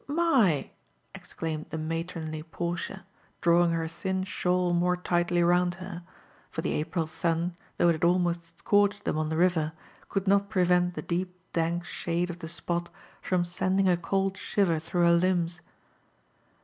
" My !"— exclaimed the matronly Portia, drawing her thin shawl more tightly ronnd her; for the April sun, though it had almost scorched them on the river, could not prevent the deep, dank shade of the spot from sending a cold shiver through her limbs.